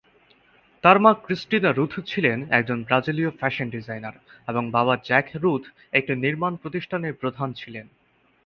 তার মা Christina Ruth ছিলেন একজন ব্রাজিলীয় ফ্যাশন ডিজাইনার, এবং বাবা জ্যাক রুথ একটি নির্মাণ প্রতিষ্ঠানের প্রধান ছিলেন।